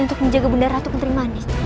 untuk menjaga bunda ratu kenterimani